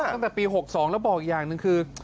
ตั้งแต่ปี๖๒แล้วบอกอีกอย่างหนึ่งคือ